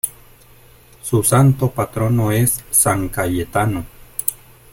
Su santo patrono es San Cayetano.